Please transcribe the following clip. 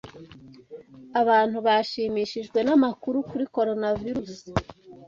Abantu bashimishijwe namakuru kuri Coronavirusi.